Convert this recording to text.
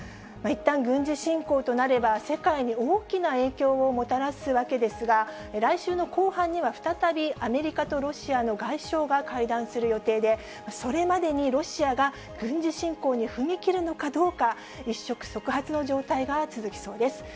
いったん軍事侵攻となれば、世界に大きな影響をもたらすわけですが、来週の後半には再びアメリカとロシアの外相が会談する予定で、それまでにロシアが軍事侵攻に踏み切るのかどうか、一触即発の状態が続きそうです。